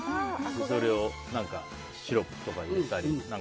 それをシロップとか入れたり。